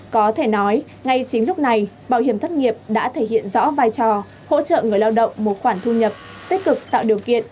có thể nói ngay chính lúc này bảo hiểm thất nghiệp đã thể hiện rõ vai trò hỗ trợ người lao động một khoản thu nhập tích cực tạo điều kiện